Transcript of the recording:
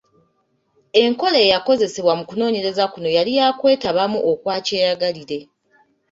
Enkola eyakozesebwa mu kunoonyereza kuno yali yakwetabamu okwa kyeyagalire.